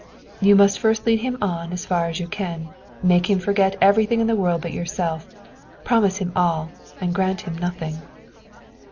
"You must lead him on, far as you can; make him forget everything in the world but yourself; promise him all, and grant him nothing."